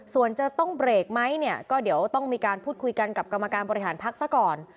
ส่วนจะต้องเบรกไหมเนี่ยก็เดี๋ยวต้องมีการพูดคุยกันกับกรรมการบริหารพักซะก่อน